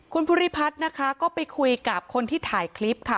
คุณภูริพัฒน์นะคะก็ไปคุยกับคนที่ถ่ายคลิปค่ะ